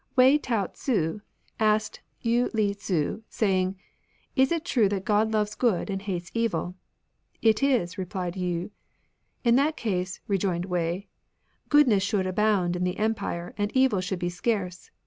Wei Tao Tzu asked Yii Li Tzu, saying, " Is it true that God loves good and hates evil ?"" It is," repUed Yii. "In that case," rejoined Wei, "goodness should abound in the Empire and evil should be scarce.